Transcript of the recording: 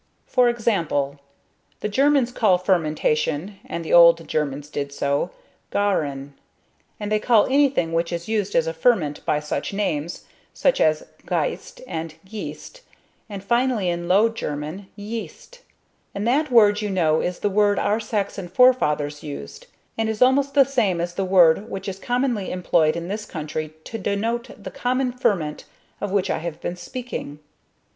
For example, the Germans call fermentation and the old Germans did so "gahren;" and they call anything which is used as a ferment by such names, such as "gheist" and "geest," and finally in low German, "yest"; and that word you know is the word our Saxon forefathers used, and is almost the same as the word which is commonly employed in this country to denote the common ferment of which I have been speaking.